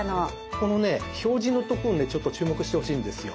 ここのね表示のところにちょっと注目してほしいんですよ。